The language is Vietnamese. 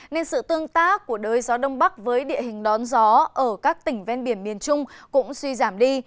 nên sự tương tác của đới gió đông bắc với địa hình đón gió ở các tỉnh ven biển miền trung cũng suy giảm đi